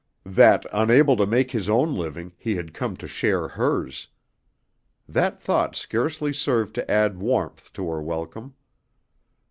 That, unable to make his own living, he had come to share hers. That thought scarcely served to add warmth to her welcome.